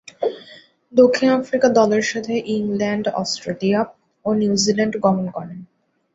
দক্ষিণ আফ্রিকা দলের সাথে ইংল্যান্ড, অস্ট্রেলিয়া ও নিউজিল্যান্ড গমন করেন।